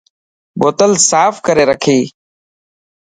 بوتل ساف ڪري رکي.